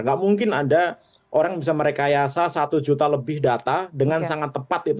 nggak mungkin ada orang bisa merekayasa satu juta lebih data dengan sangat tepat itu